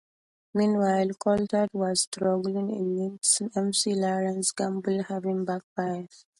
Meanwhile, Coulthard was struggling in ninth, McLaren's gamble having backfired.